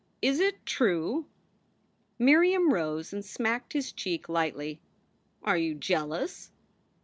Is it true?" Miriam rose and smacked his cheek lightly. "Are you jealous?"